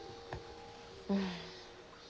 うん。